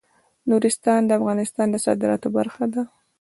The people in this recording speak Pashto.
نورستان د افغانستان د صادراتو برخه ده.